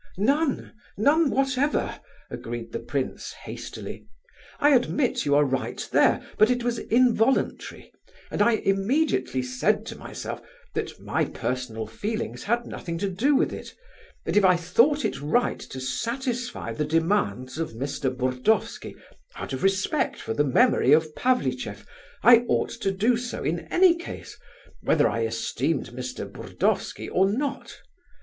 "None—none whatever," agreed the prince hastily. "I admit you are right there, but it was involuntary, and I immediately said to myself that my personal feelings had nothing to do with it,—that if I thought it right to satisfy the demands of Mr. Burdovsky, out of respect for the memory of Pavlicheff, I ought to do so in any case, whether I esteemed Mr. Burdovsky or not.